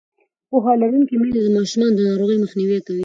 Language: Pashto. پوهه لرونکې میندې د ماشومانو د ناروغۍ مخنیوی کوي.